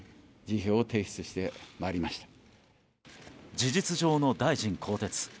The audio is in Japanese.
事実上の大臣更迭。